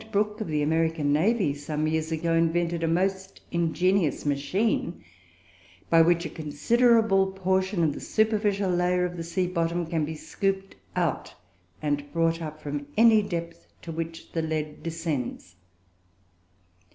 Brooke, of the American Navy, some years ago invented a most ingenious machine, by which a considerable portion of the superficial layer of the sea bottom can be scooped out and brought up from any depth to which the lead descends.